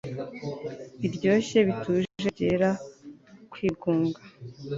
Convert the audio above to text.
Biryoshye, bituje, byera, kwigunga